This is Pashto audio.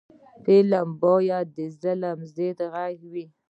فلم باید د ظلم ضد غږ وي